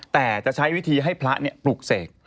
แต่จะใช้วิธีให้พระปลุกเสก